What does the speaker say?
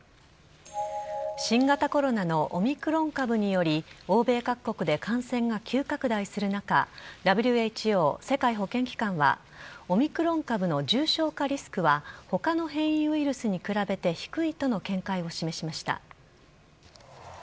新型コロナのオミクロン株により、欧米各国で感染が急拡大する中、ＷＨＯ・世界保健機関は、オミクロン株の重症化リスクは、ほかの変異ウイルスに比べて低いとの見解を示しました。